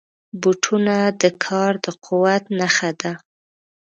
بوټونه د کار د قوت نښه ده.